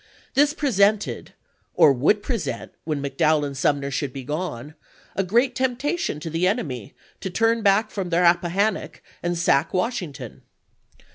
This presented, or would present when McDowell and Sumner should be gone, a great temptation to the enemy to turn back from the Rappahannock and sack Washing ton.